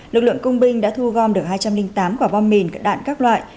lực lượng công binh đã thu gom được hai trăm linh tám quả bom mìn đạn các loại